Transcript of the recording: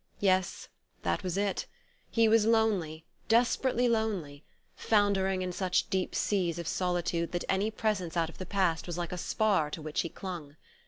Yes, that was it: he was lonely, desperately lonely, foundering in such deep seas of solitude that any presence out of the past was like a spar to which he clung.